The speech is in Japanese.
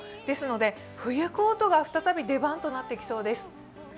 ですので冬コートが再び出番となってきます。